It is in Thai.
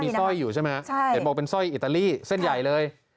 มีซ่อยอยู่ใช่ไหมครับแต่บอกเป็นซ่อยอิตาลีเส้นใหญ่เลย